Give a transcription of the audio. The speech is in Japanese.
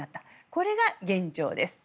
これが現状です。